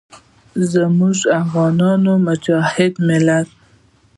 موږ افغانان مجاهد ملت یو.